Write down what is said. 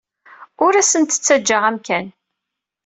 Ur asent-d-ttajjaɣ amkan.